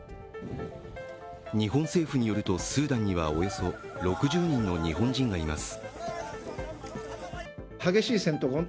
日本政府によると、スーダンにはおよそ６０人の日本人がいます。